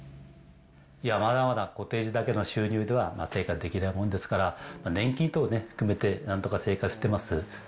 いや、まだまだコテージだけの収入では生活できないもんですから、年金等含めて、なんとか生活してます。